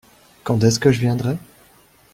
Quand est-ce que je viendrai ?